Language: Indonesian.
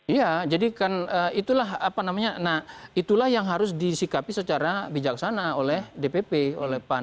iya jadi kan itulah apa namanya nah itulah yang harus disikapi secara bijaksana oleh dpp oleh pan